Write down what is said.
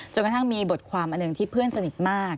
กระทั่งมีบทความอันหนึ่งที่เพื่อนสนิทมาก